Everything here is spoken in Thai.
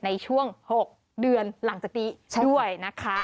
ในช่วง๖เดือนหลังจากนี้ด้วยนะคะ